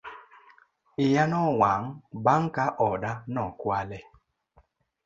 Iya nowang' bang' ka oda nokwale